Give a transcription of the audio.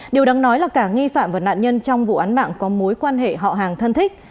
điều đáng nói là cả nghi phạm và nạn nhân trong vụ án mạng có mối quan hệ họ hàng thân thích